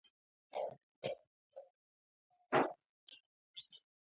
آیا دوی نوري فایبر نه غځوي؟